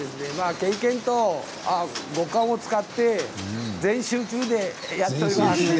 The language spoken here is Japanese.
経験と五感を使って全集中でやっています。